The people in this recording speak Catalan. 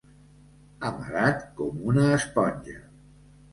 Amarat com una esponja.